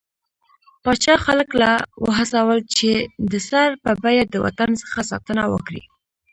پاچا خلک له وهڅول، چې د سر په بيه د وطن څخه ساتنه وکړي.